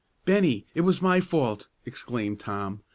"Bennie, it was my fault!" exclaimed Tom.